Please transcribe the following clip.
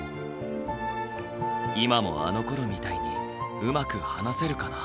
今もあのころみたいにうまく話せるかな。